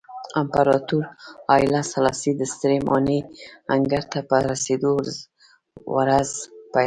امپراتور هایله سلاسي د سترې ماڼۍ انګړ ته په رسېدو ورځ پیلوله.